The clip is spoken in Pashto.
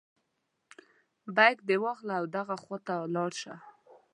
بیک دې واخله او دغه خواته لاړ شه.